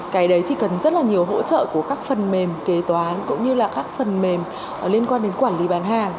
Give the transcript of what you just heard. cái đấy thì cần rất là nhiều hỗ trợ của các phần mềm kế toán cũng như là các phần mềm liên quan đến quản lý bán hàng